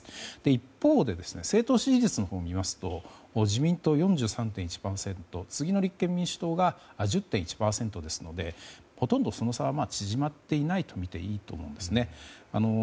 一方で政党支持率のほうを見ますと自民党、４３．１％次の立憲民主党が１０．１％ですのでほとんどその差は縮まっていないとみていいと思うんですね。